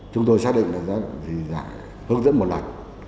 chúng tôi xác định là hướng dẫn một lần